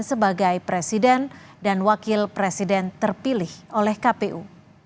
sebagai presiden dan wakil presiden terpilih oleh kpu